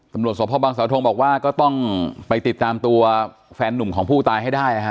ตำรวจสพบังสาวทงบอกว่าก็ต้องไปติดตามตัวแฟนนุ่มของผู้ตายให้ได้นะฮะ